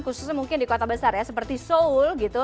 khususnya mungkin di kota besar seperti seoul